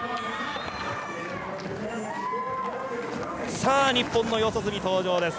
さあ日本の四十住登場です。